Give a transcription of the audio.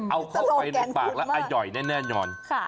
เอาเข้าไปในปากแล้วอร่อยแน่นอน